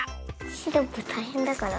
シロップたいへんだから。